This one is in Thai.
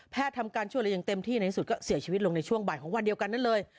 ทำการช่วยเหลืออย่างเต็มที่ในที่สุดก็เสียชีวิตลงในช่วงบ่ายของวันเดียวกันนั้นเลย